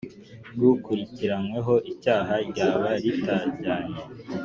Ry ukurikiranyweho icyaha ryaba ritajyanye